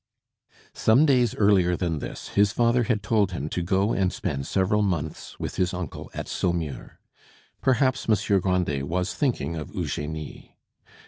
Some days earlier than this his father had told him to go and spend several months with his uncle at Saumur. Perhaps Monsieur Grandet was thinking of Eugenie.